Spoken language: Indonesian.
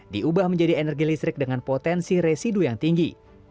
diubah menjadi energi listrik dengan potensi residu yang tinggi